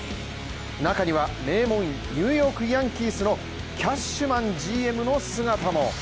中には名門、ニューヨーク・ヤンキースのキャッシュマンＧＭの姿も。